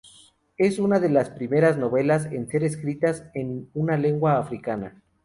Es una de las primeras novelas en ser escritas en una lengua africana.